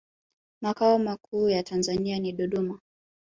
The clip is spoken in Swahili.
makao makuu ya tanzania ni dodoma